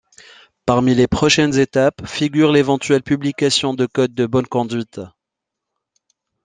Parmi les prochaines étapes figure l'éventuelle publication de codes de bonne conduite.